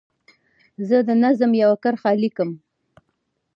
زه د نظم یوه کرښه لیکم.